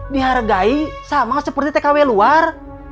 dihargai sama seperti tkw luar